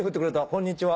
こんにちは。